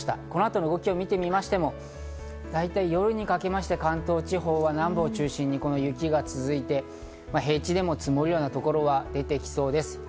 この後の動きを見ましても大体、夜にかけまして関東地方は南部を中心に雪が続いて平地でも積もるようなところが出てきそうです。